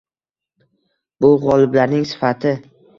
Bu g‘oliblarning sifati.